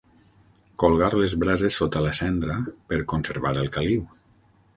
Colgar les brases sota la cendra per conservar el caliu.